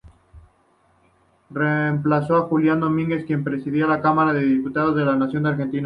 Reemplazó a Julián Domínguez, quien preside la Cámara de Diputados de la Nación Argentina.